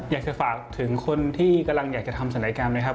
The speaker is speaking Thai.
อยากจะฝากถึงคนที่กำลังอยากจะทำศัลยกรรมไหมครับ